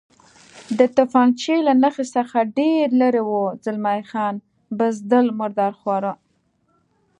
د تفنګچې له نښې څخه ډېر لرې و، زلمی خان: بزدل، مرادرخواره.